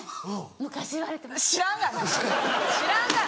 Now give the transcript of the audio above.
昔言われてました。